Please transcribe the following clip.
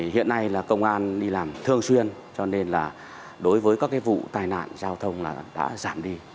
hiện nay là công an đi làm thương xuyên cho nên là đối với các cái vụ tài nạn giao thông là đã giảm đi